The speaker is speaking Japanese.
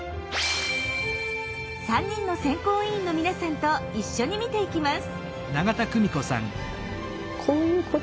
３人の選考委員の皆さんと一緒に見ていきます。